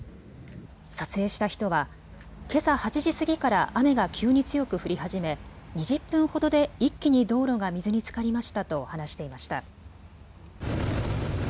撮影した人は、けさ８時過ぎから雨が急に強く降り始め２０分ほどで一気に道路が水につかりましたと話していました。